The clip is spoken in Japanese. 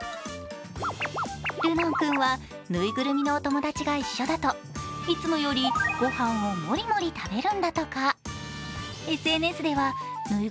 るのん君は、ぬいぐるみのお友達が一緒だといつもよりご飯をモリモリ食べるんだとか。